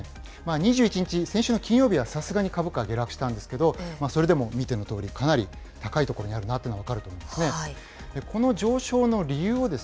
２１日、先週の金曜日は、さすがに株価下落したんですけれども、それでも見てのとおり、かなり高いところにあるなというのが分かると思いますね。